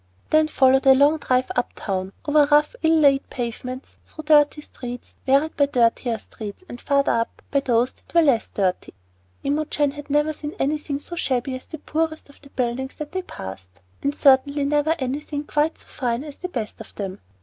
Then followed a long drive up town over rough ill laid pavements, through dirty streets, varied by dirtier streets, and farther up, by those that were less dirty. Imogen had never seen anything so shabby as the poorest of the buildings that they passed, and certainly never anything quite so fine as the best of them.